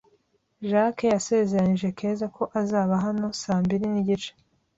Jacques yasezeranije Keza ko azaba hano saa mbiri nigice.